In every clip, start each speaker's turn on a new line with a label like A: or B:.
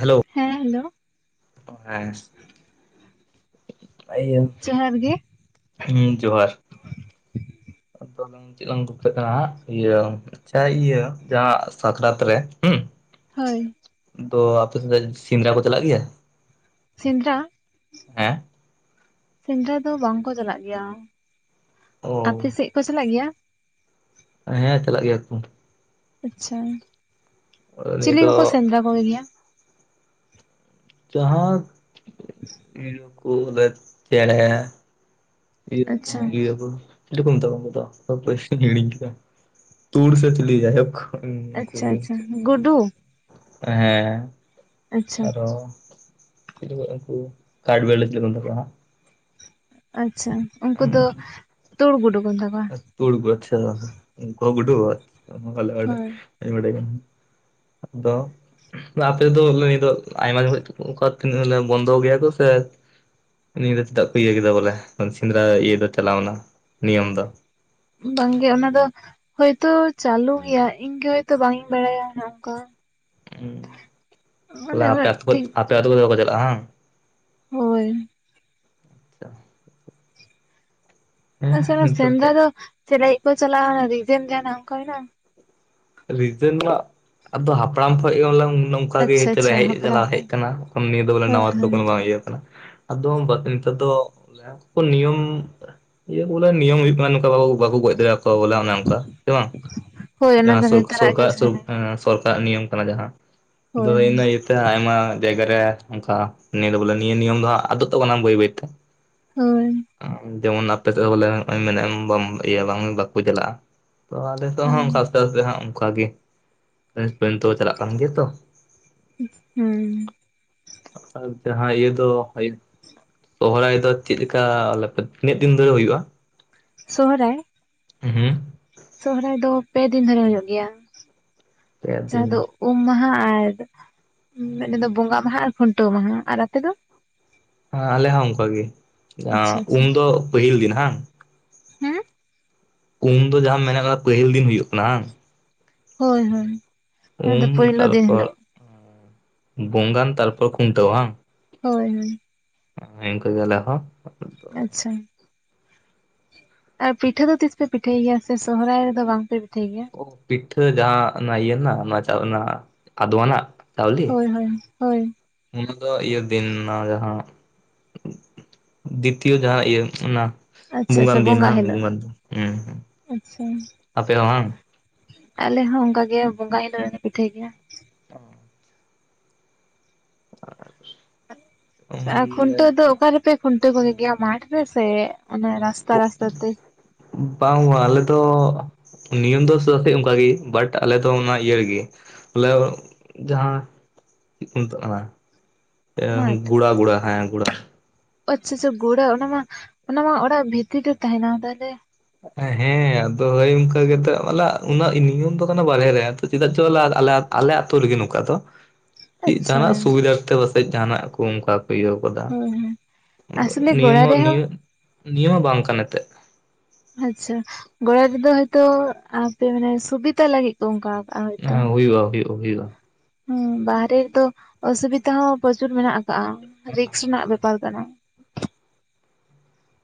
A: Hello,
B: ᱦᱮᱸ hello,
A: ᱦᱮᱸ, [unintelligible]
B: ᱡᱚᱦᱟᱨ ᱜᱮ᱾
A: ᱦᱩᱸ ᱡᱚᱦᱟᱨ᱾ ᱟᱫᱚᱝ ᱪᱮᱫ ᱞᱟᱝ ᱜᱚᱞᱯᱚ ᱮᱫ ᱛᱟᱦᱮᱸᱱᱟ ᱤᱭᱟᱹ ᱟᱪᱪᱷᱟ ᱤᱭᱟᱹ ᱡᱟᱦᱟᱸ ᱥᱟᱠᱨᱟᱛ ᱨᱮ ᱦᱩᱸ᱾
B: ᱦᱳᱭ,
A: ᱟᱫᱚ ᱟᱯᱮ ᱥᱮᱱ ᱫᱚ ᱥᱮᱸᱫᱽᱨᱟ ᱠᱚ ᱪᱟᱞᱟᱜ ᱜᱮᱭᱟ᱾
B: ᱥᱮᱸᱫᱽᱨᱟ,
A: ᱦᱮᱸ
B: ᱥᱮᱸᱫᱽᱨᱟ ᱫᱚ ᱵᱟᱝᱠᱚ ᱪᱟᱞᱟᱜ ᱜᱮᱭᱟ᱾
A: ᱚ
B: ᱟᱯᱮ ᱥᱮᱫ ᱠᱚ ᱪᱟᱞᱟᱜ ᱜᱮᱭᱟ᱾
A: ᱦᱮᱸ ᱪᱟᱞᱟᱜ ᱜᱮᱭᱟ ᱠᱚ᱾
B: ᱟᱪᱪᱷᱟ,
A: ᱱᱤᱭᱟᱹ
B: ᱪᱤᱞᱤ
A: ᱫᱚ
B: ᱠᱚᱠᱚ ᱥᱮᱸᱫᱽᱨᱟ ᱠᱚᱜᱮ ᱜᱮᱭᱟ᱾
A: ᱡᱟᱦᱟᱸ, ᱤᱭᱟᱹ ᱠᱚ ᱪᱮᱸᱬᱮ᱾ ᱤᱭᱟᱹ ᱠᱚ
B: ᱟᱪᱪᱷᱟ
A: ᱤᱭᱟᱹ ᱠᱚ ᱪᱮᱞᱮ ᱠᱚ ᱢᱮᱛᱟ ᱠᱚᱣᱟ ᱩᱱᱠᱩ ᱫᱚ, [unintelligible] ᱦᱤᱲᱤᱧ ᱠᱮᱫᱟ᱾ ᱛᱩᱲ ᱥᱮ ᱪᱮᱞᱮ ᱡᱟᱭᱦᱳᱜ ᱩᱱᱠᱩ
B: ᱟᱪᱪᱷᱟ
A: ᱜᱮ᱾
B: ᱟᱪᱪᱷᱟ ᱜᱩᱰᱩ
A: ᱦᱮᱸ᱾
B: ᱟᱪᱪᱷᱟ
A: ᱟᱨᱦᱚ, ᱪᱮᱞᱮ ᱩᱱᱠᱩ, ᱠᱟᱴᱵᱮᱲᱟᱞᱤ ᱪᱮᱞᱮ ᱠᱚ ᱢᱮᱛᱟ ᱠᱚᱣᱟ ᱦᱟᱸᱜ᱾
B: ᱟᱪᱪᱷᱟ, ᱩᱱᱠᱩ
A: ᱦᱟᱸᱜ
B: ᱫᱚ, ᱛᱩᱲ ᱜᱩᱰᱩ ᱠᱚ ᱢᱮᱛᱟ ᱠᱚᱣᱟ᱾
A: ᱛᱩᱲ ᱠᱚ ᱟᱪᱪᱷᱟ ᱩᱱᱠᱩ ᱦᱚᱸ ᱜᱩᱰᱩ ᱠᱚ ᱵᱟᱝ
B: ᱦᱳᱭ
A: ᱤᱧ ᱵᱟᱰᱟᱭ ᱠᱟᱱ ᱛᱟᱦᱮᱱᱟ᱾ ᱟᱜᱫᱚ, ᱞᱟᱦᱟ ᱛᱮᱫᱚ ᱱᱤᱛ ᱫᱚ ᱟᱭᱢᱟ ᱡᱚᱠᱷᱚᱡ ᱚᱠᱟ ᱵᱚᱱᱫᱚ ᱜᱮᱭᱟ ᱠᱚ ᱥᱮ? ᱱᱤᱭᱟᱹ ᱫᱚ ᱪᱮᱫᱟᱜ ᱠᱚ ᱤᱭᱟᱹ ᱠᱮᱫᱟ ᱵᱚᱞᱮ, ᱥᱮᱸᱫᱽᱨᱟ ᱤᱭᱟᱹ ᱫᱚ ᱪᱟᱞᱟᱣᱱᱟ ᱱᱤᱭᱚᱢ ᱫᱚ᱾
B: ᱵᱟᱝᱜᱮ ᱚᱱᱟ ᱫᱚ, ᱦᱚᱭᱛᱚ ᱪᱟᱹᱞᱩ ᱜᱮᱭᱟ᱾ ᱤᱧᱜᱮ ᱦᱚᱭᱛᱚ ᱵᱟᱝ ᱤᱧ ᱵᱟᱲᱟᱭᱟ ᱚᱱᱮ ᱚᱝᱠᱟ᱾
A: ᱦᱩᱸ
B: ᱩᱱᱟᱹᱜ
A: ᱛᱟᱦᱚᱞᱮ
B: ᱴᱷᱤᱠ
A: ᱟᱯᱮ ᱟᱛᱩ ᱠᱚᱫᱚ ᱵᱟᱠᱚ ᱪᱟᱞᱟᱜᱼᱟ ᱵᱟᱝ?
B: ᱦᱳᱭ᱾
A: ᱦᱮᱸ
B: ᱟᱪᱪᱷᱟ
A: ᱱᱮᱛᱟᱨ
B: ᱥᱮᱸᱫᱽᱨᱟ ᱫᱚ, ᱪᱮᱫ ᱞᱟᱜᱤᱫ ᱠᱚ ᱪᱟᱞᱟᱜ ᱟ ᱚᱱᱟ ᱨᱤᱡᱮᱱ ᱡᱟᱦᱟᱱᱟᱜ ᱚᱱᱠᱟ ᱢᱮᱱᱟᱜ-ᱟ᱾
A: ᱨᱤᱡᱮᱱ ᱢᱟᱜ, ᱟᱫᱚ ᱦᱟᱯᱲᱟᱢ ᱠᱷᱚᱡ ᱜᱮ ᱵᱚᱞᱮ ᱱᱚᱝᱠᱟ, ᱚᱱᱠᱟ ᱜᱮ
B: ᱟᱪᱪᱷᱟ ᱟᱪᱪᱷᱟ
A: ᱦᱮᱡ ᱠᱟᱱᱟ
B: ᱦᱟᱯᱲᱟᱢ
A: ᱦᱮᱡ
B: ᱠᱷᱚᱡ
A: ᱠᱟᱱᱟ ᱱᱤᱭᱟᱹ ᱫᱚ ᱵᱚᱞᱮ ᱱᱟᱣᱟ
B: ᱦᱳᱭ
A: ᱛᱮᱫᱚ
B: ᱦᱳᱭ
A: ᱠᱳᱱᱳ ᱵᱟᱝ ᱤᱭᱟᱹ ᱠᱟᱱᱟ᱾ ᱟᱫᱚ ᱱᱤᱛᱟᱨ ᱫᱚ ᱞᱟᱦᱟᱛᱮ ᱱᱤᱭᱚᱢ, ᱤᱭᱟᱹ ᱵᱚᱞᱮ ᱱᱤᱭᱚᱢ ᱦᱩᱭᱩᱜ ᱠᱟᱱᱟ ᱱᱚᱝᱠᱟ ᱵᱟᱠᱚ ᱜᱚᱡ ᱫᱟᱲᱮᱭᱟᱠᱚᱣᱟ ᱵᱚᱞᱮ ᱚᱱᱮ ᱚᱱᱠᱟ ᱥᱮ ᱵᱟᱝ?
B: [inaudible]
A: ᱡᱟᱦᱟᱸ
B: ᱱᱮᱛᱟᱨᱟᱜ ᱜᱮ ᱡᱷᱟᱢᱮᱞᱟ
A: [unintelligible] ᱠᱟᱜ ᱱᱤᱭᱚᱢ ᱠᱟᱱᱟ ᱡᱟᱦᱟᱸ, ᱟᱫᱚ
B: ᱦᱳᱭ
A: ᱤᱱᱟᱹ ᱤᱭᱟᱹᱛᱮ ᱟᱭᱢᱟ ᱡᱟᱭᱜᱟ ᱨᱮ ᱚᱱᱠᱟ ᱱᱤᱭᱟᱹ ᱫᱚ ᱵᱚᱞᱮ ᱱᱤᱭᱟᱹ ᱱᱤᱭᱚᱢ ᱫᱚ ᱦᱟᱜ ᱟᱫᱚᱜ ᱛᱟᱵᱚᱱᱟ ᱵᱟᱹᱭ ᱵᱟᱹᱭᱛᱮ ᱾
B: ᱦᱳᱭ ᱾
A: ᱡᱮᱢᱚᱱ ᱟᱯᱮ ᱥᱮᱫ ᱵᱚᱞᱮ ᱱᱚᱜᱼᱚᱭ ᱢᱮᱱᱮᱜ ᱟᱢ ᱵᱟᱢ ᱤᱭᱟᱹ ᱵᱟᱝ ᱵᱟᱠᱚ ᱪᱟᱞᱟᱜᱼᱟ ᱾ ᱛᱚ ᱟᱞᱮ ᱥᱮᱫ ᱦᱚᱸ ᱚᱱᱠᱟ ᱟᱥᱛᱮ ᱟᱥᱛᱮ ᱦᱟᱜ ᱚᱱᱠᱟ ᱜᱮ, [unintelligible] ᱫᱚ ᱪᱟᱞᱟᱜ ᱠᱟᱱ ᱜᱮᱭᱟ ᱛᱚ ᱾
B: ᱦᱩᱸ ᱾
A: ᱟᱨ ᱡᱟᱦᱟᱸ ᱤᱭᱟᱹ ᱫᱚ
B: [inaudible]
A: ᱥᱚᱦᱚᱨᱟᱭ ᱫᱚ ᱪᱮᱫ ᱞᱮᱠᱟ [unintelligible] ᱛᱤᱱᱟᱹᱜ ᱫᱤᱱ ᱫᱷᱚᱨᱮ ᱦᱩᱭᱩᱜᱼᱟ?
B: ᱥᱚᱦᱨᱟᱭ ᱾
A: ᱦᱩᱸ ᱦᱩᱸ ᱾
B: ᱥᱚᱦᱨᱟᱭ ᱫᱚ ᱯᱮ ᱫᱤᱱ ᱫᱷᱚᱨᱮ ᱦᱩᱭᱩᱜ ᱜᱮᱭᱟ,
A: ᱯᱮ
B: ᱡᱟᱦᱟᱸ ᱫᱚ
A: ᱫᱤᱱ
B: ᱩᱢ ᱢᱟᱦᱟ ᱟᱨ ᱢᱮᱫᱴᱮᱱ ᱫᱚ ᱵᱚᱸᱜᱟ ᱢᱟᱦᱟ ᱟᱨ ᱠᱷᱩᱱᱴᱟᱹᱣ ᱢᱟᱦᱟ, ᱟᱨ ᱟᱯᱮ ᱫᱚ?
A: ᱦᱮᱸ ᱟᱞᱮ ᱦᱚᱸ ᱚᱱᱠᱟ ᱜᱤ, ᱡᱟᱦᱟ
B: ᱟᱪᱪᱷᱟ ᱟᱪᱪᱷᱟ
A: ᱩᱢ ᱫᱚ ᱯᱟᱹᱦᱤᱞ ᱫᱤᱱ ᱦᱟᱝ?
B: ᱦᱮᱸ
A: ᱩᱢ ᱫᱚ ᱡᱟᱦᱟᱸᱢ ᱢᱮᱱᱮᱫ ᱠᱟᱱᱟ ᱯᱟᱹᱦᱤᱞ ᱫᱤᱱ ᱦᱩᱭᱩᱜ ᱠᱟᱱᱟ ᱦᱟᱝ?
B: ᱦᱳᱭ ᱦᱳᱭ ᱚᱱᱟ ᱫᱚ
A: ᱩᱢ
B: ᱯᱳᱭᱞᱳ ᱫᱤᱱ
A: ᱛᱟᱨᱯᱚᱨ
B: ᱦᱤᱞᱳᱜ ᱾
A: ᱵᱚᱸᱜᱟᱱ ᱛᱟᱨᱯᱚᱨ ᱠᱷᱩᱱᱴᱟᱹᱣ ᱦᱟᱝ?
B: ᱦᱳᱭ ᱦᱳᱭ ᱾
A: ᱤᱱᱠᱟᱹ ᱜᱮ ᱟᱞᱮ ᱦᱚᱸ ᱾
B: ᱟᱪᱪᱷᱟ ᱾ ᱟᱨ ᱯᱤᱴᱷᱟᱹ ᱫᱚ ᱛᱤᱥ ᱯᱮ ᱯᱤᱴᱷᱟᱹᱭ ᱜᱮᱭᱟ? ᱥᱮ ᱥᱚᱦᱚᱨᱟᱭ ᱨᱮᱫᱚ ᱵᱟᱝ ᱯᱮ ᱯᱤᱴᱷᱟᱹᱭ ᱜᱮᱭᱟ?
A: ᱚ ᱯᱤᱴᱷᱟᱹ ᱡᱟᱦᱟᱸ ᱚᱱᱟ ᱤᱭᱟᱹ ᱱᱟᱜ ᱚᱱᱟ ᱪᱟᱣ ᱚᱱᱟ ᱟᱫᱣᱟ ᱱᱟᱜ ᱪᱟᱣᱞᱮ
B: ᱦᱳᱭ ᱦᱳᱭ ᱾
A: ᱚᱱᱟ ᱫᱚ ᱤᱭᱟᱹ ᱫᱤᱱ ᱚᱱᱟ ᱡᱟᱦᱟᱸ ᱫᱤᱛᱤᱭᱚ ᱡᱟᱦᱟᱸ ᱤᱭᱟᱹ ᱚᱱᱟ
B: ᱟᱪᱪᱷᱟ ᱟᱪᱪᱷᱟ
A: ᱵᱚᱸᱜᱟᱱ ᱫᱤᱱ
B: ᱵᱚᱸᱜᱟᱜ
A: ᱦᱟᱝ
B: ᱦᱤᱞᱳᱜ
A: ᱵᱚᱸᱜᱟᱱ ᱫᱤᱱ ᱦᱩᱸ ᱦᱩᱸ,
B: ᱟᱪᱪᱷᱟ
A: ᱟᱯᱮ ᱦᱚᱸ ᱦᱟᱝ?
B: ᱟᱞᱮ ᱦᱚᱸ ᱚᱱᱠᱟ ᱜᱮ ᱵᱚᱸᱜᱟ ᱦᱤᱞᱳᱜ ᱞᱮ ᱯᱤᱴᱷᱟᱹᱭ ᱜᱮᱭᱟ ᱾
A: [inaudible] [inaudible] ᱩᱢᱞᱮ
B: ᱠᱷᱩᱱᱴᱟᱹᱣ ᱫᱚ ᱚᱠᱟ ᱨᱮᱯᱮ ᱠᱷᱩᱱᱴᱟᱹᱣ ᱠᱚᱜᱮ ᱜᱮᱭᱟ ᱢᱟᱴᱷ ᱨᱮ ᱥᱮ ᱚᱱᱟ ᱨᱟᱥ
A: ᱵᱟᱝ ᱵᱟᱝ ᱟᱞᱮ ᱫᱚ ᱱᱤᱭᱚᱢ ᱫᱚ [unintelligible] ᱚᱱᱠᱟᱜᱮ ᱵᱟᱴ ᱟᱞᱮ ᱫᱚ ᱚᱱᱟ ᱤᱭᱟᱹ ᱨᱮᱜᱮ ᱵᱚᱞᱮ ᱡᱟᱦᱟᱸ ᱪᱮᱫ ᱠᱚ ᱢᱮᱛᱟᱜ ᱠᱟᱱᱟ ᱮ
B: ᱢᱟᱴᱷ
A: ᱜᱩᱲᱟ ᱜᱩᱲᱟ ᱦᱮᱸ ᱜᱩᱲᱟ ᱾
B: ᱟᱪᱪᱷᱟ ᱟᱪᱷᱟ ᱜᱳᱲᱟ ᱚᱱᱟ ᱢᱟ ᱚᱱᱟ ᱢᱟ ᱚᱲᱟᱜ ᱵᱷᱤᱛᱤᱨ ᱨᱮ ᱛᱟᱦᱮᱱᱟ ᱛᱟᱦᱚᱞᱮ
A: ᱦᱮᱸ ᱟᱫᱚ ᱦᱳᱭ ᱚᱱᱠᱟ ᱜᱮᱛᱚ [unintelligible] ᱩᱱᱟᱹᱜ ᱱᱤᱭᱚᱢ ᱫᱚ ᱠᱟᱱᱟ ᱵᱟᱨᱦᱮ ᱨᱮ ᱪᱮᱫᱟᱜ ᱪᱚ ᱟᱞᱮ ᱟᱞᱮ ᱟᱞᱮ ᱟᱛᱳ ᱨᱮᱜᱮ ᱱᱚᱝᱠᱟ ᱫᱚ, ᱪᱮᱫ
B: ᱟᱪᱪᱷᱟ
A: ᱡᱟᱦᱟᱱᱟᱜ
B: ᱦᱳᱭ
A: ᱥᱩᱵᱤᱫᱷᱟ ᱛᱮ ᱯᱟᱥᱮᱡ ᱡᱟᱦᱟᱱᱟᱜ ᱠᱚ ᱚᱱᱠᱟ ᱤᱭᱟᱹ ᱠᱟᱫᱟ
B: ᱦᱳᱭ
A: ᱮᱱᱫᱚ
B: ᱟᱥᱚᱞᱮ
A: ᱱᱤᱭᱟᱹ
B: ᱜᱚᱲᱟ
A: ᱢᱟ
B: ᱨᱮᱦᱚᱸ
A: ᱱᱤᱭᱟᱹ ᱱᱤᱭᱟᱹ ᱢᱟ ᱵᱟᱝ ᱠᱟᱱ ᱮᱱᱛᱮᱫ ᱾
B: ᱟᱪᱪᱷᱟ ᱜᱳᱲᱟ ᱨᱮᱫᱚ ᱦᱚᱭᱛᱚ ᱟᱯᱮ ᱢᱟᱱᱮ ᱥᱩᱵᱤᱛᱟ ᱞᱟᱹᱜᱤᱫ ᱾ ᱛᱚ ᱚᱝᱠᱟ ᱟᱠᱟᱜ-ᱟ ᱾
A: ᱦᱮᱸ ᱦᱩᱭᱩᱜᱼᱟ ᱦᱩᱭᱩᱜᱼᱟ ᱦᱩᱭᱩᱜᱼᱟ ᱾
B: ᱦᱮᱸ ᱵᱟᱦᱨᱮ ᱨᱮᱫᱚ ᱚᱥᱩᱵᱤᱛᱟ ᱦᱚᱸ ᱯᱚᱪᱩᱨ ᱢᱮᱱᱟᱜ ᱟᱠᱟᱜ-ᱟ ᱨᱤᱠᱥ ᱨᱮᱱᱟᱜ ᱵᱮᱯᱟᱨ ᱠᱟᱱᱟ ᱾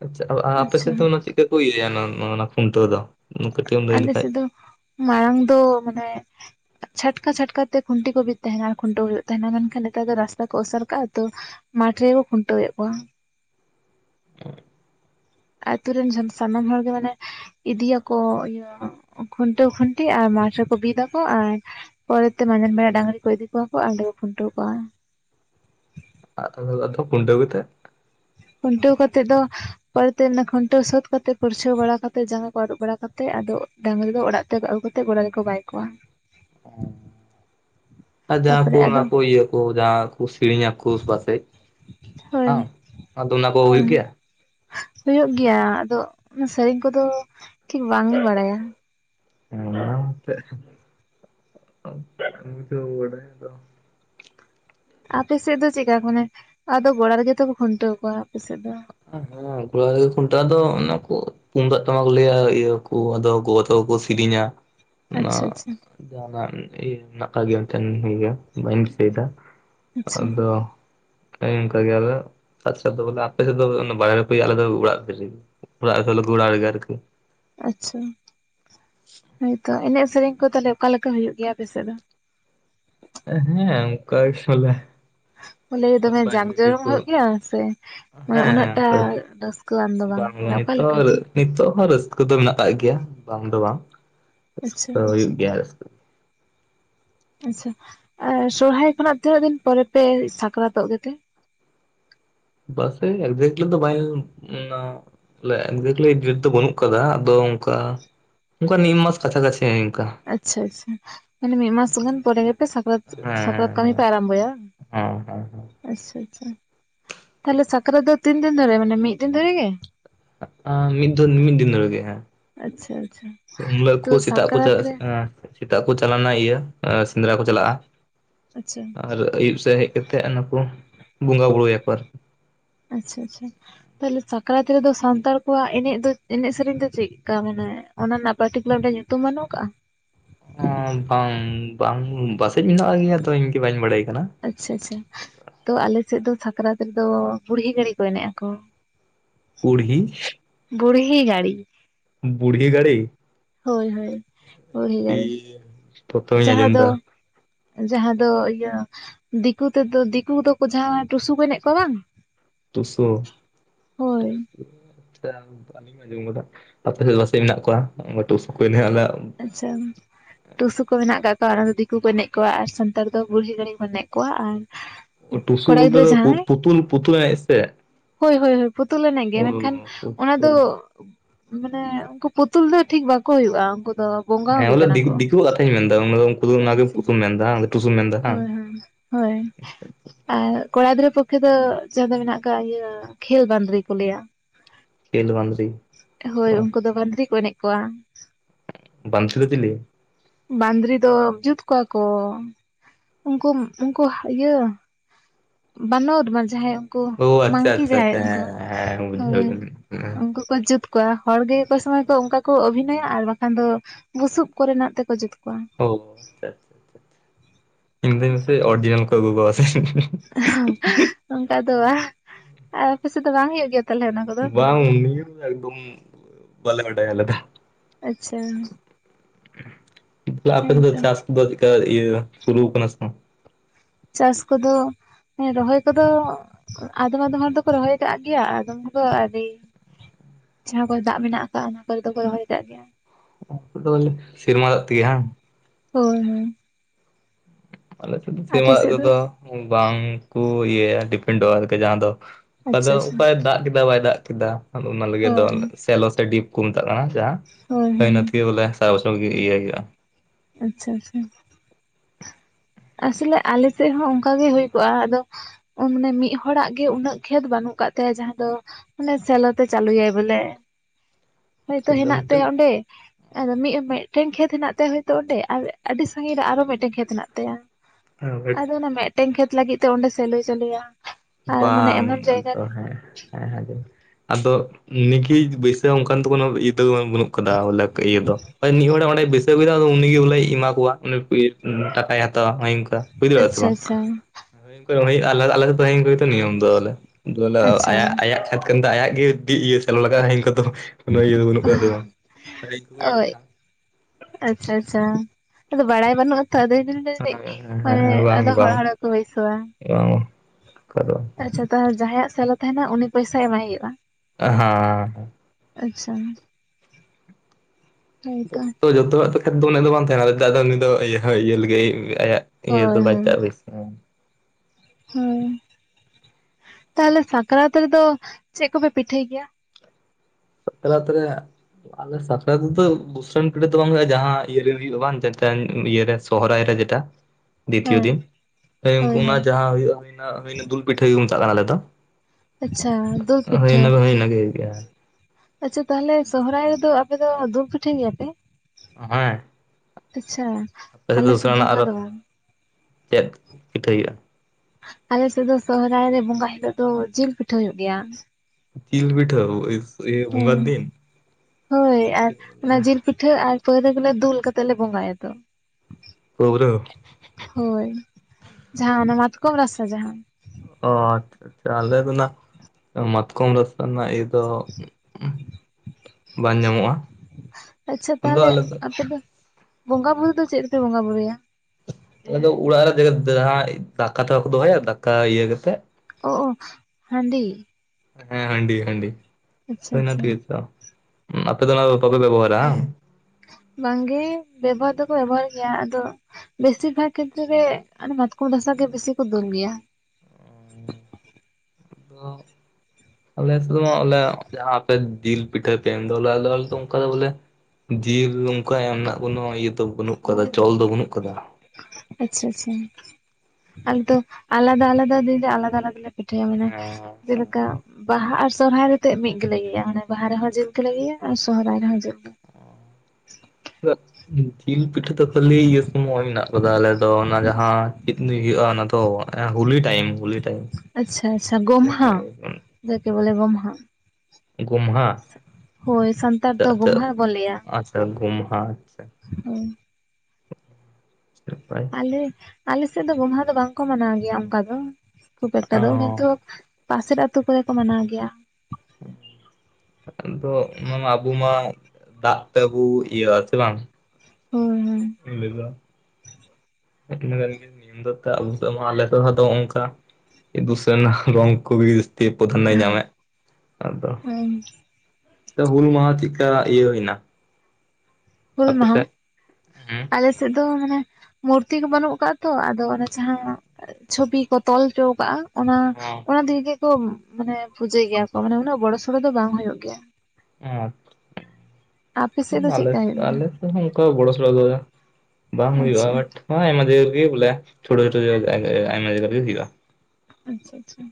A: ᱟᱪᱪᱷᱟ ᱟᱼᱟᱯᱮ
B: ᱟᱪᱪᱷᱟ
A: ᱥᱮᱫ ᱫᱚ ᱚᱱᱟ ᱪᱮᱫ ᱠᱟ ᱠᱚ ᱤᱭᱟᱹᱭᱟ ᱚᱱᱟ ᱚᱱᱟ ᱠᱷᱩᱱᱴᱟᱹᱣ ᱫᱚ? ᱠᱟᱹᱴᱤᱡ ᱮᱢ ᱞᱟᱹᱭ
B: ᱟᱞᱮ
A: ᱞᱮᱠᱷᱟᱡ
B: ᱥᱮᱫ ᱫᱚ ᱢᱟᱲᱟᱝ ᱫᱚ ᱢᱟᱱᱮ ᱪᱷᱟᱴᱠᱟ ᱪᱷᱟᱴᱠᱟᱛᱮ ᱠᱷᱩᱱᱴᱤ ᱠᱚ ᱵᱤᱫ ᱛᱟᱦᱮᱱᱟ ᱟᱨ ᱠᱷᱩᱱᱴᱟᱹᱣ ᱦᱩᱭᱩᱜ ᱛᱟᱦᱮᱱᱟ, ᱢᱮᱱᱠᱷᱟᱱ ᱱᱮᱛᱟᱨ ᱫᱚ ᱨᱟᱥᱛᱟ ᱠᱚ ᱚᱥᱟᱨ ᱠᱟᱜᱼᱟ ᱛᱚ ᱢᱟᱴᱷ ᱨᱮᱜᱮᱠᱚ ᱠᱷᱩᱱᱴᱟᱹᱣ ᱮᱜ ᱠᱚᱣᱟ᱾ ᱟᱛᱩ ᱨᱤᱱ ᱡᱦᱟᱱ ᱥᱟᱱᱟᱢ ᱦᱚᱲᱜᱮ ᱢᱟᱱᱮ ᱤᱫᱤᱭᱟᱠᱚ ᱤᱭᱟᱹ ᱠᱷᱩᱱᱴᱟᱹᱣ ᱠᱷᱩᱱᱴᱤ ᱟᱨ ᱢᱟᱴ ᱨᱮᱠᱚ ᱵᱤᱫᱟᱠᱚ, ᱟᱨ ᱯᱚᱨᱮᱛᱮ ᱢᱟᱱᱮ ᱢᱟᱡᱟᱱ ᱵᱮᱲᱟ ᱰᱟᱝᱨᱤ ᱠᱚ ᱤᱫᱤᱠᱚᱣᱟᱠᱚ ᱟᱨ ᱚᱸᱰᱮ ᱠᱚ ᱠᱷᱩᱱᱴᱟᱹᱣ ᱠᱚᱣᱟ᱾
A: ᱟ ᱛᱟᱦᱚᱞᱮ ᱫᱚ [unintelligible] ᱠᱦᱩᱱᱴᱟᱹᱣ ᱠᱟᱛᱮ
B: ᱠᱷᱩᱱᱴᱟᱹᱣ ᱠᱟᱛᱮᱫ ᱫᱚ ᱯᱚᱨᱮᱛᱮ ᱚᱱᱟ ᱠᱷᱩᱱᱴᱟᱹᱣ ᱥᱟᱹᱛ ᱠᱟᱛᱮ ᱯᱟᱹᱨᱪᱟᱹ ᱵᱟᱲᱟ ᱠᱟᱛᱮ ᱡᱟᱸᱜᱟ ᱠᱚ ᱟᱹᱨᱩᱵ ᱵᱟᱲᱟ ᱠᱟᱛᱮᱫ ᱟᱫᱚ ᱰᱟᱝᱨᱤᱫᱚ ᱚᱲᱟᱜ ᱛᱮᱠᱚ ᱟᱹᱜᱩ ᱠᱟ -ᱛᱮᱫ ᱜᱚᱲᱟ ᱜᱮᱠᱚ ᱵᱟᱭ ᱠᱚᱜᱣᱟ᱾
A: ᱟᱨ ᱡᱟᱦᱟᱸ ᱠᱚ
B: ᱛᱟᱯᱚᱨᱮ
A: ᱚᱱᱟ
B: ᱟᱫᱚ
A: ᱠᱚ ᱤᱭᱟᱹ ᱠᱚ ᱡᱟᱦᱟᱸ ᱠᱚ ᱥᱮᱨᱤᱧᱟᱠᱚ ᱥᱮ ᱯᱟᱥᱮᱡ
B: ᱦᱳᱭ
A: ᱦᱚᱸ ᱟᱫᱚ ᱚᱱᱟ ᱠᱚ
B: ᱦᱳᱭ
A: ᱦᱩᱭᱩᱜ ᱜᱮᱭᱟ?
B: ᱦᱩᱭᱩᱜ ᱜᱮᱭᱟ ᱟᱫᱚ ᱥᱮᱨᱮᱧ ᱠᱚᱫᱚ ᱴᱷᱤᱠ ᱵᱟᱝᱧ ᱵᱟᱲᱟᱭᱟ᱾
A: [unintelligible]
B: ᱟᱯᱮ ᱥᱮᱫ ᱫᱚ ᱪᱮᱜᱠᱟ ᱠᱚ ᱢᱟᱱᱮ ᱟᱫᱚ ᱜᱚᱲᱟ ᱨᱮᱜᱮ ᱛᱚᱠᱚ ᱠᱷᱩᱱᱴᱟᱹᱣ ᱠᱚᱣᱟ ᱟᱯᱮ ᱥᱮᱫ ᱫᱚ,
A: ᱦᱮᱸ ᱜᱚᱲᱟᱮ ᱨᱮᱜᱮ ᱠᱷᱩᱱᱴᱟᱹᱣ ᱟᱫᱚ ᱚᱱᱟ ᱠᱚ ᱛᱩᱢᱫᱟᱜ ᱴᱟᱢᱟᱠ ᱠᱚ ᱞᱟᱹᱭᱟ ᱤᱭᱟᱹ ᱠᱚ ᱟᱫᱚ ᱜᱚᱜᱚ ᱛᱟᱠᱚ ᱠᱩ ᱠᱤᱨᱤᱧᱟ, ᱚᱱᱟ
B: ᱟᱪᱪᱷᱟ ᱟᱪᱪᱷᱟ
A: ᱡᱟᱦᱟᱱᱟᱜ ᱤᱭᱟᱹ ᱦᱮᱱᱟᱜ ᱟᱠᱟᱜᱼᱜᱮᱭᱟ ᱮᱱᱛᱮ ᱦᱩᱭᱩᱜ ᱜᱤᱭᱟ ᱵᱟᱹᱧ ᱫᱤᱥᱟᱹ ᱮᱫᱟ,
B: ᱟᱪᱪᱷᱟ
A: ᱟᱫᱚ ᱚᱱᱮ ᱚᱱᱠᱟ ᱜᱮ [unintelligible] ᱛᱮᱫᱚ ᱵᱟᱞᱮ ᱟᱫ ᱟᱯᱮ ᱥᱮᱫ ᱫᱚ ᱵᱟᱦᱨᱮ ᱨᱤᱯᱮ ᱤᱭᱟᱹ ᱟᱞᱮ ᱫᱚ ᱚᱲᱟᱜ ᱵᱷᱤᱛᱤᱨ ᱨᱮᱜᱮ ᱚᱲᱟᱜ ᱨᱮᱫᱚ ᱜᱚᱲᱟ ᱨᱮᱜᱮ ᱟᱨᱠᱤ,
B: ᱟᱪᱪᱷᱟ, ᱦᱳᱭᱛᱚ ᱮᱱᱮᱡ ᱥᱮᱨᱮᱧ ᱠᱚ ᱛᱟᱦᱚᱞᱮ ᱚᱠᱟᱞᱮᱠᱟ ᱦᱩᱭᱩᱜ ᱜᱮᱭᱟ ᱟᱯᱮ ᱥᱮᱫ ᱫᱚ?
A: ᱦᱮᱸ ᱚᱱᱠᱟᱜᱮ ᱵᱚᱞᱮ,
B: ᱵᱚᱞᱮ ᱫᱚᱢᱮ ᱡᱟᱱ
A: ᱱᱟᱯᱟᱭ ᱜᱮ
B: ᱡᱚᱨᱚᱢ ᱦᱩᱭᱩᱜ
A: ᱠᱚ
B: ᱜᱮᱭᱟ ᱥᱮ ᱢᱟᱱᱮ
A: ᱦᱮᱸ
B: ᱩᱱᱟᱹᱜᱴᱟ
A: ᱚᱱᱠᱟ
B: ᱨᱟᱹᱥ ᱼᱠᱟ. ᱟᱱᱫᱚ ᱵᱟᱝ ᱟᱱᱟ ᱚᱠᱟᱞᱮᱠᱟ?
A: ᱱᱤᱛᱚᱜ ᱦᱚᱸ ᱨᱟᱹᱥᱠᱟᱹ ᱫᱚ ᱢᱮᱱᱟᱜ ᱠᱟᱜ ᱜᱮᱭᱟ ᱵᱟᱝ ᱫᱚ ᱵᱟᱝ ᱨᱟᱹᱥᱠᱟᱹ
B: ᱟᱪᱪᱷᱟ
A: ᱫᱚ ᱦᱩᱭᱩᱜ ᱜᱮᱭᱟ᱾
B: ᱟᱪᱪᱷᱟ, ᱥᱚᱨᱦᱟᱭ ᱠᱷᱚᱱᱟᱜ ᱛᱤᱱᱟᱹᱜ ᱫᱤᱱ ᱯᱚᱨᱮ ᱯᱮ ᱥᱟᱠᱨᱟᱛᱚᱜ ᱜᱮᱛᱮ?
A: ᱵᱟᱥᱮ [unintelligible] [inaudible] ᱫᱚ ᱵᱟᱹᱱᱩᱜ ᱟᱠᱟᱫᱟ ᱟᱫᱚ ᱚᱱᱠᱟ ᱚᱱᱠᱟ ᱢᱤᱫ ᱢᱟᱥ ᱠᱟᱪᱷᱟ ᱠᱟᱪᱷᱤ ᱱᱝᱠᱟ,
B: ᱟᱪᱪᱷᱟ ᱟᱪᱪᱷᱟ ᱢᱟᱱᱮ ᱢᱤᱫ ᱢᱟᱥ ᱜᱟᱱ ᱯᱚᱨᱮ ᱜᱮᱯᱮ ᱥᱟᱠᱨᱟ ᱥᱟᱠᱨᱟᱛ ᱠᱟᱹᱢᱤ ᱯᱮ ᱟᱨᱟᱢᱵᱚᱭᱟ ᱵᱟᱝ?
A: ᱦᱩᱸ ᱦᱩᱸ᱾
B: ᱟᱪᱪᱷᱟ ᱟᱪᱪᱷᱟ, ᱛᱟᱦᱞᱮ ᱥᱟᱠᱨᱟᱛ ᱫᱚ ᱛᱤᱱᱫᱤᱱ ᱫᱷᱟᱨᱮ ᱢᱟᱱᱮ ᱢᱤᱫ ᱫᱤᱱ ᱫᱷᱟᱨᱮ ᱜᱮ?
A: ᱢᱤᱫ ᱫᱚ ᱢᱤᱫ ᱫᱤᱱ ᱨᱮᱜᱮ ᱦᱮᱸ,
B: ᱟᱪᱪᱷᱟ ᱟᱪᱪᱷᱟ
A: ᱩᱱᱤᱞᱳᱜ
B: ᱛᱚ
A: ᱠᱚ ᱥᱮᱛᱟᱜ ᱠᱚ
B: ᱥᱟᱠᱨᱟᱛ
A: ᱪᱟᱞᱟᱜ
B: ᱨᱮ
A: ᱥᱮᱛᱟᱜ ᱠᱚ ᱪᱟᱞᱟᱣᱱᱟ ᱤᱭᱟᱹ ᱥᱮᱸᱫᱽᱨᱟ ᱠᱚ ᱪᱟᱞᱟᱜᱼᱟ,
B: ᱟᱪᱪᱷᱟ᱾
A: ᱟᱨ ᱟᱭᱩᱵ ᱥᱮᱫ ᱦᱮᱡ ᱠᱟᱛᱮᱜ ᱱᱟᱠᱚ ᱵᱚᱸᱜᱟ ᱵᱩᱨᱩᱭ ᱭᱟᱠᱚ ᱟᱨᱠᱤ᱾
B: ᱟᱪᱷᱟ ᱟᱪᱷᱟ, ᱛᱟᱦᱞᱮ ᱥᱟᱠᱨᱟᱛ ᱨᱮᱫᱚ ᱥᱟᱱᱛᱟᱲ ᱠᱚᱣᱟᱜ ᱮᱱᱮᱡ ᱫᱚ ᱮᱱᱮᱡ ᱥᱮᱨᱮᱧ ᱫᱚ ᱪᱮᱫᱞᱮᱠᱟ ᱢᱟᱱᱮ ᱚᱱᱟ ᱨᱮᱱᱟᱜ ᱯᱟᱨᱴᱤᱠᱩᱞᱟᱨ ᱢᱤᱫᱴᱟᱝ ᱧᱩᱛᱩᱢ ᱵᱟᱹᱱᱩᱜ ᱟᱠᱟᱜᱼᱟ?
A: ᱵᱟᱝ ᱵᱟᱝ ᱯᱟᱥᱮᱡ ᱢᱮᱱᱟᱜ ᱜᱮᱭᱟ ᱛᱚ ᱤᱧ ᱜᱮ ᱵᱟᱹᱧ ᱵᱟᱲᱟᱭ ᱠᱟᱱᱟ᱾
B: ᱟᱪᱪᱷᱟ ᱟᱪᱪᱷᱟ, ᱛᱚ ᱟᱞᱮ ᱥᱮᱫ ᱫᱚ ᱥᱟᱠᱨᱟᱛ ᱨᱮᱫᱚ ᱵᱩᱲᱦᱤ ᱜᱟᱹᱰᱤ ᱠᱚ ᱮᱱᱮᱡ ᱟᱠᱚ᱾
A: ᱵᱩᱲᱦᱤ
B: ᱵᱩᱲᱦᱤ ᱜᱟᱹᱲᱤ᱾
A: ᱵᱩᱲᱦᱤ ᱜᱟᱹᱲᱤ,
B: ᱦᱳᱭ ᱦᱳᱭ ᱦᱩᱭ ᱵᱩᱲᱦᱤ ᱜᱟ. ᱲᱤ,
A: ᱯᱨᱚᱛᱷᱚᱢᱤᱧ
B: ᱡᱟᱦᱟᱸ
A: ᱟᱸᱡᱚᱢ
B: ᱫᱚ
A: ᱫᱟ
B: ᱡᱟᱦᱟᱸ ᱫᱚ ᱤᱭᱟᱹ, ᱫᱤᱠᱩ ᱛᱮᱫᱚ ᱫᱤᱠᱩ ᱫᱚᱠᱚ ᱡᱟᱦᱟᱸ ᱴᱩᱥᱩ ᱠᱚ ᱮᱱᱮᱡ ᱠᱚᱣᱟ ᱵᱟᱝ?
A: ᱛᱩᱥᱩ᱾
B: ᱦᱳᱭ
A: ᱟᱪᱷᱟ ᱟᱹᱞᱤᱧ ᱟᱸᱡᱚᱢ ᱠᱟᱫᱟ ᱟᱯᱮ ᱥᱮᱫ ᱯᱟᱥᱮᱡ ᱢᱮᱱᱟᱜ ᱠᱚᱣᱟ ᱴᱩᱥᱩ ᱠᱚ ᱮᱱᱮᱡ ᱟ ᱟᱞᱮ,
B: ᱟᱪᱷᱟ, ᱴᱩᱥᱩ ᱠᱚ ᱢᱮᱱᱟᱜ ᱠᱟᱫ ᱠᱚᱣᱟ ᱚᱱᱟ ᱫᱚ ᱫᱤᱠᱩ ᱠᱚ ᱮᱱᱮᱡ ᱠᱚᱣᱟ᱾ ᱟᱨ ᱥᱟᱱᱛᱟᱲ ᱫᱚ ᱵᱩᱲᱦᱤ ᱜᱟᱹᱲᱤ ᱠᱚ ᱮᱱᱮᱡ ᱠᱚᱣᱟ ᱟᱨ,
A: ᱴᱩᱥᱩ
B: ᱠᱚᱲᱟ
A: ᱵᱚᱞᱛᱮ
B: ᱜᱤᱫᱽᱨᱟᱹ
A: ᱫᱚ
B: ᱡᱟᱦᱟᱸᱭ
A: ᱯᱩᱛᱩᱞ ᱯᱩᱛᱩᱞ ᱮᱱᱮᱡ ᱥᱮ?
B: ᱦᱳᱭ ᱦᱳᱭ ᱯᱩᱛᱩᱞ ᱮᱱᱮᱡ ᱜᱮ,
A: ᱚ
B: ᱢᱮᱱᱠᱷᱟᱱ ᱚᱱᱟ ᱫᱚ,
A: ᱯᱩᱛᱩᱞ
B: ᱢᱟᱱᱮ ᱩᱱᱠᱩ ᱯᱩᱛᱩᱞ ᱫᱚ ᱴᱷᱤᱠ ᱵᱟᱠᱚ ᱦᱩᱭᱩᱜᱼᱟ ᱾ ᱩᱱᱠᱩ ᱫᱚ, ᱵᱚᱸᱜᱟ
A: ᱦᱮᱸ
B: ᱜᱮ
A: ᱵᱚᱞᱮ
B: ᱠᱟᱱᱟ
A: ᱫᱤᱠ,
B: ᱠᱚ᱾
A: ᱫᱤᱠᱩᱣᱟᱜ ᱠᱟᱛᱷᱟᱧ ᱢᱮᱱ ᱮᱫᱟ᱾ ᱛᱳᱵᱮ ᱚᱱᱟ ᱜᱮ
B: ᱟᱪᱪᱷᱟ᱾
A: ᱯᱩᱛᱩ ᱢᱮᱱᱫᱟ ᱴᱩᱥᱩᱢ ᱢᱮᱱᱫᱟ ᱵᱟᱝ?
B: ᱦᱳᱭ ᱦᱳᱭ ᱦᱳᱭ ᱟᱨ ᱠᱚᱲᱟ ᱜᱤᱫᱽᱨᱟᱹ ᱯᱚᱠᱷᱮ ᱫᱚ ᱡᱟᱦᱟᱸ ᱫᱚ ᱢᱮᱱᱟᱜ ᱠᱟᱫᱟ ᱤᱭᱟᱹ, ᱠᱷᱮᱞ ᱵᱟᱸᱫᱽᱨᱤ ᱠᱚ ᱞᱟᱹᱭᱟ᱾
A: ᱠᱷᱮᱞ ᱢᱟᱸᱫᱽᱨᱤ᱾
B: ᱦᱳᱭ ᱩᱱᱠᱩ ᱫᱚ ᱵᱟᱸᱫᱽᱨᱤ ᱠᱚ ᱮᱱᱮᱡ ᱠᱚᱣᱟ᱾
A: ᱵᱟᱸᱫᱽᱨᱤ ᱫᱚ ᱪᱤᱞᱤ?
B: ᱵᱟᱸᱫᱽᱨᱤ ᱫᱚ ᱡᱩᱛ ᱠᱚᱣᱟ ᱠᱚ, ᱩᱱᱠᱩ ᱩᱱᱠᱩ ᱤᱭᱟᱹ, ᱵᱟᱱᱚᱨ ᱡᱟᱦᱟᱸᱭ ᱩᱱᱠᱩ
A: ᱳ ᱟᱪᱪᱷᱟ
B: ᱢᱟᱸᱝᱠᱤ
A: ᱟᱪᱪᱷᱟ
B: ᱡᱟᱦᱟᱸᱭ
A: ᱟᱪᱪᱷᱟ
B: ᱩᱱᱠᱩ
A: ᱦᱮᱸ ᱦᱮᱸ ᱵᱩᱡᱷᱟᱹᱣ
B: ᱦᱚᱸ
A: ᱠᱤᱫᱟᱹᱧ ᱦᱮᱸ ᱳ
B: ᱩᱱᱠᱩ, ᱠᱚ ᱡᱩᱛ ᱠᱚᱣᱟ᱾ ᱦᱚᱲ ᱜᱮ ᱚᱠᱟ ᱥᱚᱢᱚᱭ ᱠᱚ ᱚᱱᱠᱟ ᱠᱚ ᱚᱵᱷᱤᱱᱚᱭᱟ ᱟᱨ ᱵᱟᱠᱷᱟᱱ ᱫᱚ ᱵᱩᱥᱩᱵ ᱠᱚᱨᱮᱱᱟᱜ ᱛᱮᱠᱚ, ᱠᱚ ᱡᱩᱛ ᱠᱚᱣᱟ᱾
A: ᱚ ᱟᱪᱷᱟ ᱟᱪᱷᱟ ᱟᱪᱷᱟ, ᱤᱧ ᱫᱚᱧ ᱢᱟᱥᱮ ᱚᱸᱨᱤᱡᱤᱱᱟ ᱠᱚ ᱟᱹᱜᱩ ᱠᱚᱣᱟ ᱥᱮ ᱪᱮᱫ?
B: ᱚᱱᱠᱟ ᱫᱚ ᱵᱟᱝ ᱟᱨ ᱟᱯᱮᱥᱮᱫ ᱫᱚ ᱵᱟᱝ ᱦᱩᱭᱩᱜ ᱜᱮᱭᱟ᱾ ᱛᱟᱦᱚᱞᱮ ᱚᱱᱟ ᱠᱚᱫᱚ
A: ᱵᱟᱝ ᱱᱤᱭᱟᱹᱫᱚ ᱮᱠᱫᱚᱢ ᱵᱚᱞᱮ ᱵᱟᱰᱟᱭᱟ ᱟᱞᱮ ᱫᱚ᱾
B: ᱟᱪᱷᱟ᱾
A: ᱟᱯᱮ ᱥᱮᱫ ᱫᱚ
B: ᱦᱮᱸᱛᱚ
A: ᱪᱟᱥ ᱠᱚᱫᱚ ᱪᱮᱜᱠᱟ ᱤᱭᱟᱹ ᱥᱩᱨᱩ ᱠᱟᱱᱟ ᱥᱮ ᱵᱟᱝ?
B: ᱪᱟᱥ ᱠᱚᱫᱚ, ᱦᱮᱸ ᱨᱚᱦᱚᱭ ᱠᱚᱫᱚ, ᱟᱫᱚᱢ ᱟᱫᱚᱢ ᱦᱚᱲ ᱫᱚᱠᱚ ᱨᱚᱦᱚᱭ ᱠᱟᱫ ᱜᱮᱭᱟ ᱟᱫᱚᱢ ᱫᱚ ᱟᱹᱣᱨᱤ᱾ ᱡᱟᱦᱟᱸ ᱠᱚᱨᱮ ᱫᱟᱜ ᱢᱮᱱᱟᱜ ᱠᱟᱜ-ᱟ, ᱚᱱᱟ ᱠᱚᱨᱮ ᱫᱚ ᱠᱚ ᱨᱚᱦᱚᱭ ᱠᱟᱜ ᱜᱮᱭᱟ᱾
A: [unintelligible] ᱥᱮᱨᱢᱟ ᱫᱟᱜ ᱛᱮᱜᱮ ᱵᱟᱝ?
B: ᱦᱳᱭ ᱦᱳᱭ᱾
A: ᱟᱞᱮ ᱥᱮᱫ ᱫᱚ
B: ᱟᱯᱮ
A: ᱥᱤᱨᱢᱟ ᱫᱟᱜ
B: ᱥᱮᱫ ᱫᱚ
A: ᱛᱮᱫᱚ, ᱵᱟᱝ ᱠᱚ ᱤᱭᱟᱹᱭᱟ ᱰᱤᱯᱮᱱᱰᱚᱜᱼᱟ ᱡᱟᱦᱟᱸ ᱫᱚ,
B: ᱟᱪᱪᱷᱟ
A: ᱟᱫᱚ
B: ᱟᱪᱪᱷᱟ
A: ᱚᱠᱟᱭ ᱫᱟᱜ ᱠᱮᱫᱟ ᱵᱟᱭ ᱫᱟᱜ ᱠᱮᱫᱟ ᱟᱫᱚ ᱚᱱᱟ ᱞᱟᱹᱜᱤᱫ ᱫᱚ
B: ᱦᱳᱭ
A: ᱥᱮᱞᱚ ᱥᱮ ᱰᱤᱯ ᱠᱚ ᱢᱮᱛᱟᱜ ᱠᱟᱱᱟ ᱡᱟᱦᱟᱸ,
B: ᱦᱳᱭ
A: ᱦᱚᱭ
B: ᱦᱳᱭ
A: ᱚᱱᱟ ᱛᱮᱜᱮ ᱵᱚᱞᱮ ᱥᱟᱨᱟ ᱵᱚᱪᱚᱨ ᱜᱮ ᱤᱭᱟᱹ ᱦᱩᱭᱩᱜᱼᱟ᱾
B: ᱟᱪᱪᱷᱟ ᱟᱪᱪᱷᱟ, ᱟᱥᱚᱞᱮ ᱟᱞᱮ ᱥᱮᱫ ᱦᱚᱸ ᱚᱱᱠᱟ ᱜᱮ ᱦᱩᱭ ᱠᱚᱜᱼᱟ ᱟᱫᱚ, ᱩᱱᱱᱮ ᱢᱤᱫ ᱦᱚᱲᱟᱜ ᱜᱮ ᱩᱱᱟᱹᱜ ᱠᱷᱮᱛ ᱵᱟᱹᱱᱩᱜ ᱠᱟᱫ ᱛᱟᱭᱟ ᱡᱟᱦᱟᱸ ᱫᱚ, ᱢᱟᱱᱮ ᱥᱮᱞᱚ ᱛᱮ ᱪᱟᱞᱩᱭᱟᱭ ᱵᱚᱞᱮ᱾ ᱦᱳᱭᱛᱳ
A: ᱪᱮᱫ ᱫᱚ
B: ᱦᱮᱱᱟᱜ
A: ᱢᱤᱫᱴᱮᱱ
B: ᱛᱟᱭᱟ ᱚᱸᱰᱮ, ᱟᱫᱚ ᱢᱤᱫ ᱢᱤᱫᱴᱮᱱ ᱠᱷᱮᱛ ᱦᱮᱱᱟᱜ ᱛᱟᱭᱟ ᱦᱳᱭᱛᱳ ᱚᱸᱰᱮ, ᱟᱹᱰᱤ ᱥᱟᱺᱜᱤᱧ ᱨᱮ ᱟᱨᱦᱚ ᱢᱤᱫᱴᱮᱱ ᱠᱷᱮᱛ ᱦᱮᱱᱟᱜ ᱛᱟᱭᱟ᱾ ᱟᱫᱚ ᱚᱱᱟ ᱢᱮᱫᱴᱮᱱ ᱠᱷᱮᱛ ᱞᱟᱹᱜᱤᱫ ᱛᱮ ᱚᱸᱰᱮ ᱥᱮᱞᱳᱭ ᱪᱟᱹᱞᱩᱭᱟ᱾ ᱟᱨ ᱢᱟᱱᱮ
A: ᱵᱟᱝ
B: ᱮᱢᱚᱱ ᱡᱟᱭᱜᱟ
A: ᱟᱛᱚ
B: ᱨᱮ
A: ᱦᱮᱸ, ᱟᱫᱚ ᱱᱮᱠᱤᱡ ᱵᱟᱹᱭᱥᱟᱹᱣ ᱚᱱᱠᱟᱱ ᱛᱚ ᱠᱳᱱᱳ [inaudible] ᱵᱟᱹᱱᱩᱜ ᱠᱟᱫᱟ ᱵᱚᱞᱮ ᱤᱭᱟᱹ ᱫᱚ [inaudible] ᱱᱤᱭᱟᱹ ᱫᱷᱟᱣ ᱫᱚ ᱩᱱᱤᱜᱮ ᱵᱚᱞᱮ ᱮᱢᱟ ᱠᱚᱣᱟ ᱩᱱᱤ ᱴᱟᱠᱟᱭ ᱦᱟᱛᱟᱣᱟ ᱚᱱᱠᱟ ᱦᱩᱭᱩᱜ ᱟᱥᱮ
B: ᱟᱪᱪᱷᱟ
A: ᱵᱟᱝ?
B: ᱟᱪᱪᱷᱟ
A: ᱦᱩᱭᱩᱜ-ᱟ ᱟᱞ ᱟᱞᱟᱫᱟ ᱱᱤᱭᱚᱢ ᱫᱚ
B: ᱟᱪᱪᱷᱟ
A: ᱟᱭᱟᱜ ᱟᱭᱟᱜ ᱠᱷᱟᱹ, ᱢᱮᱱ ᱫᱚ ᱟᱭᱟᱜ ᱜᱮ ᱫᱤᱭᱟᱹ ᱥᱮᱞ ᱞᱟᱜᱼᱟ ᱤᱧᱫᱚ ᱤᱭᱟᱹ ᱫᱚ ᱵᱟᱹᱱᱩᱜ ᱠᱚᱣᱟ ᱥᱮ ᱵᱟᱝ?
B: ᱳᱭ ᱟᱪᱪᱷᱟ, ᱟᱪᱪᱷᱟ, ᱟᱫᱚ ᱵᱟᱲᱟᱭ ᱵᱟᱹᱱᱩᱜ ᱟᱛᱚ ᱟᱫᱚᱧ ᱢᱮᱱ ᱮᱫᱟ ᱡᱟᱹᱱᱤᱡ
A: ᱦᱮᱸ
B: ᱢᱟᱱᱮ ᱟᱫᱚ ᱦᱚᱲ ᱦᱚᱲ [unintelligible]
A: ᱚ ᱠᱟ ᱫᱚ
B: ᱟᱪᱪᱷᱟ ᱛᱟᱦᱚᱞᱮ ᱡᱟᱦᱟᱸᱭᱟᱜ ᱥᱮᱞᱚ ᱛᱟᱦᱮᱱᱟ ᱩᱱᱤ ᱯᱚᱭᱥᱟ ᱮᱢᱟᱭ ᱦᱩᱭᱩᱜᱼᱟ᱾
A: ᱦᱟᱸ
B: ᱟᱪᱪᱷᱟ ᱦᱳᱭᱛᱚ
A: ᱡᱚᱛᱚᱣᱟᱜ [unintelligible] ᱩᱱᱟᱹᱜ ᱫᱚ ᱵᱟᱝ ᱛᱟᱦᱮᱱᱟ ᱟᱫᱚ ᱩᱱᱤ ᱫᱚ ᱤᱭᱟᱹ ᱦᱚᱸ ᱤᱭᱟ. ᱞᱤᱜᱟᱭᱤᱫ ᱟᱭᱟᱜ ᱤᱭᱟᱹ ᱫᱚ
B: ᱦᱳᱭ
A: ᱵᱟᱭ ᱛᱟᱵ ᱦᱩᱭᱩᱜ ᱛᱟᱢᱟ
B: ᱦᱩᱸ ᱛᱟᱦᱚᱞᱮ ᱥᱟᱠᱨᱟᱛ ᱨᱮᱫᱚ ᱪᱮᱫ ᱠᱚᱯᱮ ᱯᱤᱴᱷᱟᱹᱭ ᱜᱮᱭᱟ?
A: ᱥᱟᱠᱨᱟᱛ ᱨᱮᱭᱟᱜ ᱟᱞᱮ ᱥᱟᱠᱨᱟᱛ ᱨᱮᱫᱚ ᱫᱩᱥᱟᱹᱱ ᱯᱩᱡᱟᱹ ᱫᱚ ᱵᱟᱝ ᱦᱩᱭᱩᱜᱼᱟ, ᱡᱟᱦᱟᱸ ᱤᱭᱟᱹ ᱨᱮ ᱦᱩᱭᱩᱜᱼᱟ ᱵᱟᱝ ᱡᱮᱴᱟ ᱤᱭᱟᱹ ᱨᱮ ᱥᱚᱦᱚᱨᱟᱭ ᱨᱮ ᱡᱮᱴᱟ᱾ [inaudible] ᱫᱤᱛᱤᱭᱚ
B: ᱦᱮᱸ
A: ᱫᱤᱱ, ᱦᱮᱸ
B: ᱦᱳᱭ
A: ᱚᱱᱟ
B: ᱦᱳᱭ
A: ᱡᱟᱸᱦᱟ ᱦᱩᱭᱩᱜ ᱫᱩᱞ ᱯᱤᱴᱷᱟᱹ ᱜᱮ ᱢᱮᱛᱟᱜ ᱠᱟᱱᱟ ᱟᱞᱮ ᱫᱚ᱾
B: ᱟᱪᱪᱷᱟ ᱫᱩᱞ ᱯᱤᱴᱷᱟᱹ
A: ᱦᱮᱸ [unintelligible] ᱦᱩᱭᱩᱜ ᱜᱮᱭᱟ᱾
B: ᱟᱪᱪᱷᱟ ᱛᱟᱦᱚᱞᱮ ᱥᱚᱦᱚᱨᱟᱭ ᱨᱮᱫᱚ ᱟᱯᱮ ᱫᱚ ᱫᱩᱞ ᱯᱤᱴᱷᱟᱹᱭ ᱜᱮᱭᱟ ᱯᱮ?
A: ᱦᱮᱸ
B: ᱟᱪᱪᱷᱟ ᱟᱞᱮ
A: ᱫᱚᱥᱨᱟ
B: ᱥᱮᱫ
A: ᱱᱟᱜ
B: ᱚᱱᱠᱟ
A: ᱫᱚ
B: ᱵᱟᱝ
A: ᱪᱮᱫ ᱯᱤᱴᱷᱟᱹᱭ ᱦᱩᱭᱩᱜᱼᱟ?
B: ᱟᱞᱮ ᱥᱮᱫ ᱫᱚ ᱥᱚᱦᱚᱨᱟᱭ ᱨᱮ ᱵᱚᱸᱜᱟᱭ ᱦᱤᱞᱳᱜ ᱫᱚ ᱡᱤᱞ ᱯᱤᱴᱷᱟᱹ ᱦᱩᱭᱩᱜ ᱜᱮᱭᱟ᱾
A: ᱡᱤᱞ ᱯᱤᱴᱷᱟ. [unintelligible] ᱤᱭᱟᱹ ᱵᱚᱸᱜᱟ
B: ᱦᱳᱭ
A: ᱫᱤᱱ?
B: ᱦᱳᱭ ᱟᱨ ᱚᱱᱟ ᱡᱤᱞ ᱯᱤᱴᱷᱟᱹ ᱟᱨ ᱯᱟᱹᱣᱨᱟᱹ ᱫᱚᱞᱮ ᱫᱩᱞ ᱠᱟᱛᱮᱫ ᱞᱮ ᱵᱚᱸᱜᱟᱭᱟ ᱛᱚ᱾
A: ᱯᱟᱹᱣᱨᱟᱹ
B: ᱦᱳᱭ, ᱡᱟᱸᱦᱟᱸ ᱚᱱᱟ ᱢᱟᱛᱠᱚᱢ ᱨᱟᱥᱟ ᱡᱟᱸᱦᱟᱸ᱾
A: ᱚ [unintelligible] ᱟᱞᱮ ᱫᱚ ᱱᱟᱜ ᱢᱟᱛᱠᱚᱢ ᱨᱟᱥᱟ ᱨᱮᱱᱟᱜ ᱤᱭᱟᱹ ᱫᱚ ᱵᱟᱝ ᱧᱟᱢᱚᱜᱼᱟ᱾
B: ᱟᱪᱪᱷᱟ
A: ᱟᱫᱚ
B: ᱛᱟᱦᱚᱞᱮ
A: ᱟᱞᱮ
B: ᱟᱯᱮ ᱫᱚ ᱵᱚᱸᱜᱟ ᱵᱩᱨᱩ ᱫᱚ ᱪᱮᱫ ᱨᱮᱯᱮ ᱵᱚᱸᱜᱟ ᱵᱩᱨᱩᱭᱟ?
A: ᱟᱫᱚ ᱚᱲᱟᱜ ᱨᱮ [unintelligible] ᱡᱟᱦᱟᱸᱭ ᱫᱟᱠᱟ ᱛᱮ ᱵᱟᱠᱚ ᱫᱚᱦᱚᱭᱟ ᱫᱟᱠᱟ ᱤᱭᱟᱹ ᱠᱟᱛᱮᱜ᱾
B: ᱚ ᱦᱟᱸᱰᱤ᱾
A: ᱦᱮᱸ ᱦᱟᱺᱰᱤ ᱦᱟᱺᱰᱤ,
B: ᱟᱪᱪᱷᱟ
A: ᱤᱱᱟᱹ
B: ᱟᱪᱪᱷᱟ
A: ᱛᱮᱜᱮ ᱛᱚ᱾ ᱟᱯᱮ ᱫᱚ ᱚᱱᱟ ᱵᱟᱯᱮ ᱵᱮᱵᱚᱦᱟᱨᱟ ᱵᱟᱝ
B: ᱵᱟᱝ ᱜᱮ ᱵᱮᱵᱚᱦᱟᱨ ᱫᱚᱠᱚ ᱵᱮᱵᱚᱦᱟᱨ ᱜᱮᱭᱟ ᱟᱫᱚ ᱵᱮᱥᱤᱨ ᱵᱷᱟᱜᱽ ᱠᱷᱮᱛᱨᱮ ᱨᱮ ᱢᱟᱛᱠᱚᱢ ᱨᱟᱥᱟ ᱜᱮ ᱵᱮᱥᱤ ᱠᱚ ᱫᱩᱞ ᱜᱮᱭᱟ᱾
A: [inaudible] ᱟᱞᱮ ᱥᱮᱫ ᱢᱟ ᱟᱞᱮ ᱡᱟᱦᱟᱸ ᱟᱯᱮ ᱡᱤᱞ ᱯᱤᱴᱷᱟᱹ ᱯᱮ ᱮᱢ ᱮᱢᱫᱚ ᱟᱞᱮ ᱫᱚ ᱵᱟᱞᱮ ᱫᱚ ᱟᱱᱠᱟ ᱵᱟᱞᱮ ᱡᱤᱞ ᱚᱱᱠᱟ ᱮᱢ ᱨᱮᱱᱟᱜ ᱠᱚᱱᱚ ᱤᱭᱟᱹ ᱫᱚ ᱵᱟᱹᱱᱩᱜ ᱠᱟᱫᱟ ᱪᱚᱞ ᱫᱚ ᱵᱟᱹᱱᱩᱜ ᱠᱟᱫᱟ᱾
B: ᱟᱪᱪᱷᱟ ᱟᱪᱪᱷᱟ ᱟᱞᱮ ᱫᱚ ᱟᱞᱟᱫᱟ ᱟᱞᱟᱫᱟ ᱫᱤᱱ ᱨᱮ ᱟᱞᱟᱫᱟ ᱟᱞᱟᱫᱟ ᱜᱮᱞᱮ ᱯᱤᱴᱷᱟᱹᱭᱟ ᱢᱟᱱᱮ ᱡᱮᱞᱮᱠᱟ ᱵᱟᱦᱟ ᱟᱨ ᱥᱚᱦᱨᱟᱭ ᱨᱮᱛᱮᱫ ᱢᱤᱫ ᱜᱮᱞᱮ ᱤᱭᱟ. ᱭᱟ ᱢᱟᱱᱮ ᱵᱟᱦᱟ ᱨᱮᱦᱚᱸ ᱡᱤᱞ ᱜᱮᱞᱮ ᱤᱭᱟᱹᱭᱟ ᱟᱨ ᱥᱚᱨᱚᱨᱟᱭ ᱨᱮᱦᱚᱸ ᱡᱤᱞ ᱜᱮ᱾
A: [unintelligible] ᱡᱤᱞ ᱯᱤᱴᱷᱟᱹ ᱫᱚ ᱠᱷᱟᱹᱞᱤ ᱤᱭᱟᱹ ᱥᱚᱢᱚᱭ ᱢᱮᱱᱟᱜ ᱟᱠᱟᱫᱟ, ᱟᱞᱮ ᱫᱚ ᱚᱱᱟ ᱡᱟᱦᱟᱸ [unintelligible] ᱦᱩᱭᱩᱜᱼᱟ ᱚᱱᱟ ᱫᱚ ᱮᱸ ᱦᱩᱞᱤ ᱴᱟᱭᱤᱢ ᱦᱩᱞᱤ ᱴᱟᱭᱤᱢ᱾
B: ᱟᱪᱪᱷᱟ ᱟᱪᱪᱷᱟ ᱜᱚᱢᱦᱟ ᱡᱟᱠᱮ ᱵᱚᱞᱮ ᱜᱚᱢᱦᱟ᱾
A: ᱜᱚᱢᱦᱟ,
B: ᱦᱳᱭ ᱥᱟᱱᱛᱟᱲ ᱫᱚ ᱜᱚᱢᱦᱟ
A: ᱟᱪᱪᱷᱟ
B: ᱜᱮᱵᱚ ᱞᱟᱹᱭᱟ᱾
A: [unintelligible] ᱜᱚᱢᱦᱟ ᱟᱪᱪᱷᱟ᱾
B: ᱦᱩᱸ ᱾
A: [unintelligible] ᱥᱟᱨᱯᱨᱟᱭᱤᱡ
B: ᱞᱟᱹᱭᱟᱹᱧ ᱟᱞᱮ ᱥᱮᱫ ᱫᱚ ᱜᱚᱢᱦᱟ ᱫᱚ ᱵᱟᱝᱠᱚ ᱢᱟᱱᱟᱣ ᱜᱮᱭᱟ ᱚᱱᱠᱟ ᱫᱚ ᱠᱷᱩᱵ ᱮᱠᱴᱟ ᱫᱚ ᱠᱤᱱᱛᱩ
A: ᱚ
B: ᱯᱟᱥᱮᱨ ᱟᱹᱛᱩ ᱠᱚᱨᱮ ᱠᱚ ᱢᱟᱱᱟᱣ ᱜᱮᱭᱟ ᱾
A: [unintelligible] ᱟᱫᱚ ᱢᱟᱱᱮ ᱟᱵᱚ ᱢᱟ ᱫᱟᱜ ᱛᱮᱵᱚ ᱤᱭᱟᱹ-ᱟ ᱦᱮᱪᱮ ᱵᱟᱝ ᱾
B: ᱦᱳᱭ ᱦᱳᱭ ᱾
A: ᱤᱧ ᱤᱧ ᱞᱟᱹᱭ ᱮᱫᱟ [inaudible] [unintelligible] ᱟᱞᱮ ᱥᱮᱫ ᱢᱟ ᱟᱞᱮ ᱥᱮᱫ ᱦᱚᱸ ᱟᱫᱚ ᱱᱚᱝᱠᱟ ᱮᱠ ᱫᱩᱥᱨᱟ ᱱᱟ ᱨᱚᱝ ᱠᱚ ᱜᱤᱥ ᱛᱮ ᱯᱨᱚᱫᱷᱟᱱᱚᱭ ᱧᱟᱢᱮᱫ ᱟᱫᱚ, [inaudible]
B: ᱦᱳᱭ
A: ᱚᱱᱛᱮ ᱦᱩᱞ ᱢᱟᱦᱟ ᱪᱮᱫᱠᱟ ᱤᱭᱟᱹ ᱦᱩᱭ ᱮᱱᱟ?
B: ᱦᱩᱞ ᱢᱟᱦᱟ
A: ᱦᱮᱸ
B: [inaudible] ᱟᱞᱮ ᱥᱮᱫ ᱫᱚ ᱢᱟᱱᱮ ᱢᱩᱨᱛᱤ ᱠᱚ ᱵᱟᱹᱱᱩᱜ ᱟᱠᱟᱫ-ᱟ ᱛᱚ, ᱟᱫᱚ ᱚᱱᱮ ᱡᱟᱦᱟᱸ ᱪᱷᱚᱵᱤ ᱠᱚ ᱛᱚᱞ ᱦᱚᱪᱚ ᱟᱠᱟᱜᱼᱟ ᱚᱱᱟ ᱚᱱᱟ ᱫᱤᱠ ᱜᱮᱠᱚ ᱢᱟᱱᱮ ᱯᱩᱡᱟᱹᱭ ᱜᱮᱭᱟ ᱠᱚ ᱢᱟᱱᱮ ᱩᱱᱟᱹᱜ ᱵᱚᱲᱚ ᱥᱚᱲᱚ ᱫᱚ ᱵᱟᱝ ᱦᱩᱭᱩᱜ ᱜᱮᱭᱟ ᱾ ᱟᱯᱮ ᱥᱮᱫ ᱫᱚ
A: [unintelligible] ᱟᱞᱮ
B: ᱪᱮᱫᱠᱟ ᱦᱩᱭᱩᱜ ᱜᱮᱭᱟ
A: ᱟᱞᱮ ᱥᱮᱫ ᱦᱚ ᱚᱱᱠᱟ ᱵᱚᱲᱚ ᱥᱚᱲᱚ ᱫᱚ ᱵᱟᱝ ᱦᱩᱭᱩᱜᱼᱟ,
B: ᱟᱪᱪᱷᱟ
A: ᱵᱟᱴ ᱦᱚ ᱟᱭᱢᱟ ᱡᱟᱭᱜᱟ ᱨᱮᱜᱮ ᱵᱚᱞᱮ ᱪᱷᱳᱴᱚ ᱪᱷᱳᱴᱚ ᱟᱭᱢᱟ ᱡᱟᱭᱜᱟ ᱨᱮᱜᱮ ᱦᱩᱭᱩᱜ -ᱟ ᱾
B: ᱟᱪᱪᱷᱟ ᱟᱪᱪᱷᱟ ᱾